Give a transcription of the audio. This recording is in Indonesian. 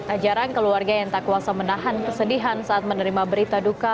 ajaran keluarga yang tak kuasa menahan kesedihan saat menerima berita duka